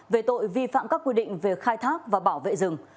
về tội vi phạm các quy định về khai thác và bảo vệ rừng